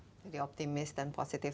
jadi optimis dan positif